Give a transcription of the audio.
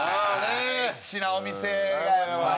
エッチなお店がやっぱり。